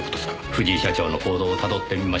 藤井社長の行動をたどってみましょう。